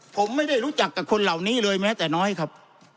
ผมไม่ได้รู้จักกับคนเหล่านี้เลยแม้แต่น้อยครับ